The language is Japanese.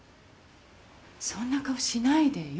そんな顔しないで。